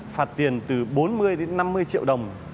phạt tiền từ bốn mươi năm mươi triệu đồng